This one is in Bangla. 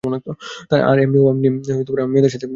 আর এমনে ও আমি এই মেয়েদের সাথে শুধু সময় কাটায়।